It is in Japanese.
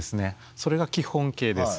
それが基本型です。